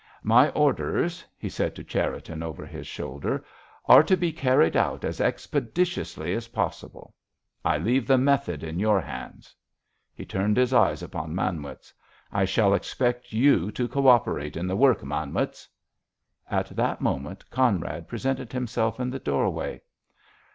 "My orders," he said to Cherriton, over his shoulder, "are to be carried out as expeditiously as possible. I leave the method in your hands." He turned his eyes upon Manwitz. "I shall expect you to co operate in the work, Manwitz!" At that moment Conrad presented himself in the door way.